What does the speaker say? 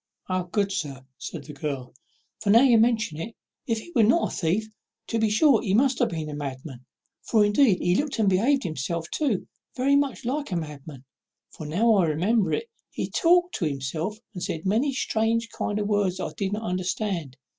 "O good sir!" said the girl, "now you mention it, if he was not a thief, to be sure he must have been a madman: for indeed he looked, and behaved himself too, very much like a madman; for, now I remember it, he talked to himself and said many strange kind of words that I did not understand.